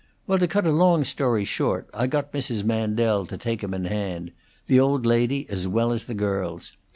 Well, to cut a long story short, I got Mrs. Mandel to take 'em in hand the old lady as well as the girls.